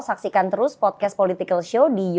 saksikan terus podcast political show di youtube cnn indonesia